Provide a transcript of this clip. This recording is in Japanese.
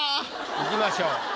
いきましょう。